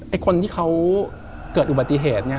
ไอ้คนที่เขาเกิดอุบัติเหตุ